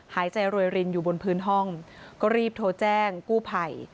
หายใจรวยรินอยู่บนพื้นห้องก็รีบโทรแจ้งกู้ภัย